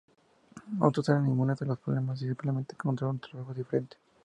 Otros eran inmunes a los problemas y simplemente encontraron trabajo diferente.